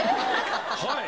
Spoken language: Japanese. はい。